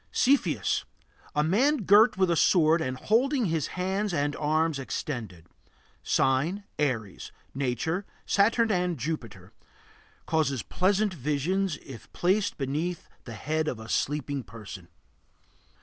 CEPHEUS. A man girt with a sword and holding his hands and arms extended. Sign: Aries. Nature: Saturn and Jupiter. Causes pleasant visions if placed beneath the head of a sleeping person.